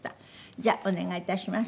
じゃあお願い致します。